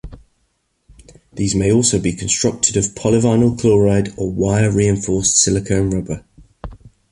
These may also be constructed of polyvinyl chloride or wire-reinforced silicone rubber.